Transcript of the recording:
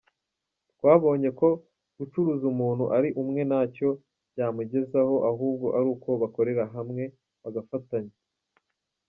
Twabonye ko gucuruza umuntu ari umwe ntacyo byamugezaho, ahubwo ari uko bakorera hamwe, bagafatanya.